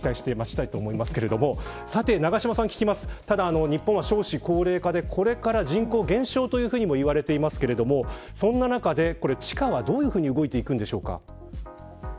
ただ日本は、少子高齢化でこれから人口減少ともいわれていますけれどもそんな中で地価はどういうふうに動いていくんでしょうか。